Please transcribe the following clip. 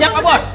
ya pak bos